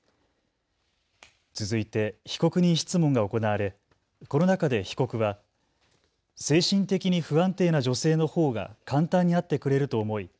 続いて被告人質問が行われこの中で被告は精神的に不安定な女性のほうが簡単に会ってくれると思い